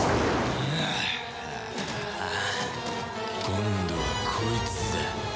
今度はこいつだ。